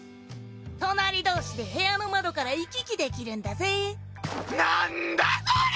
隣同士で部屋の窓から行き来できるんだぜ。